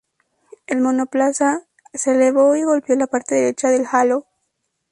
El monoplaza se elevó y golpeó la parte derecha del Halo.